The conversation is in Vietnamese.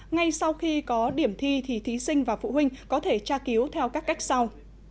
ngay sau khi có điểm thi thì thí sinh và phụ huynh có thể tra cứu theo các cách sau